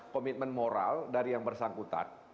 komitmen moral dari yang bersangkutan